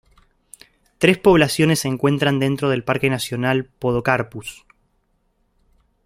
Tres poblaciones se encuentran dentro del Parque nacional Podocarpus.